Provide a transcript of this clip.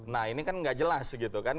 nah ini kan nggak jelas gitu kan